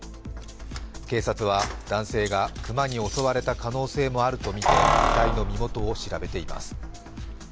警察は男性が熊に襲われた可能性もあるとみて遺体の身元を調べています。